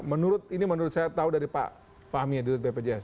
menurut ini menurut saya tahu dari pak fahmi ya di wpjs